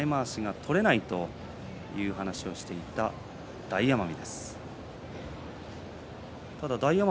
前まわしが取れないということを話していたこのところ大奄美です。